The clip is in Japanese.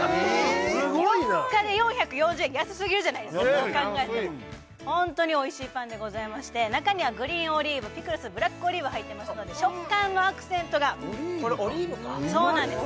すごいな４日で４４０円安すぎるじゃないですかどう考えてもホントにおいしいパンでございまして中にはグリーンオリーブピクルスブラックオリーブ入ってますので食感のアクセントが・オリーブかそうなんです